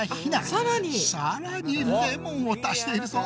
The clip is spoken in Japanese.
さらにレモンを足しているぞ。